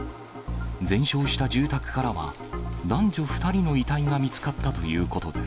全焼した住宅からは、男女２人の遺体が見つかったということです。